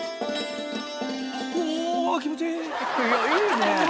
いやいいね。